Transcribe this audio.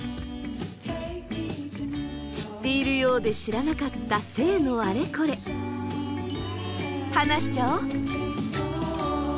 知っているようで知らなかった性のあれこれはなしちゃお！